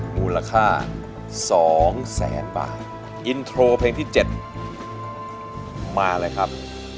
มูลค่า๒แสนบาทอินโทรเพลงที่๗มาเลยครับ